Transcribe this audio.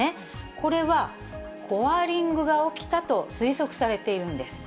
これはコアリングが起きたと推測されているんです。